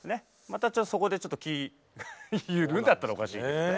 またちょっとそこでちょっと気緩んだって言ったらおかしいけど。